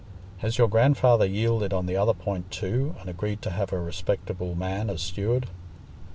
Has your grandfather yielded on the other point too, and agreed to have a respectable man as steward?"